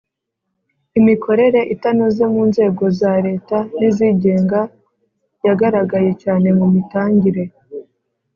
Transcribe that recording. Imikorere itanoze mu nzego za Leta n izigenga yagaragaye cyane mu mitangire